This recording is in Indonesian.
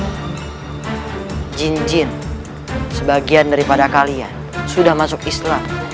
tapi jinn jinn sebagian daripada kalian sudah masuk islam